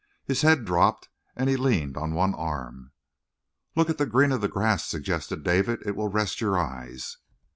His head dropped and he leaned on one arm. "Look at the green of the grass," suggested David. "It will rest your eyes."